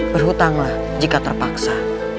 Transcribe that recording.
berhutanglah jika terpaksa